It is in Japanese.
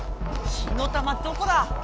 火の玉どこだ！